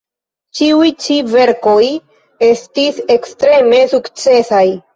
Ĉiuj ĉi verkoj estis ekstreme sukcesaj.